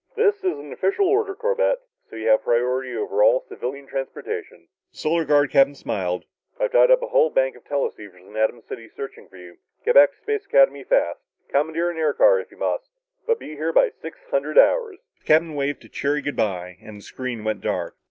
"This is an official order, Corbett. So you have priority over all civilian transportation." The Solar Guard captain smiled. "I've tied up a whole bank of teleceivers in Atom City searching for you. Get back to Space Academy fast commandeer an air car if you must, but be here by six hundred hours!" The captain waved a cheery good bye and the screen went dark.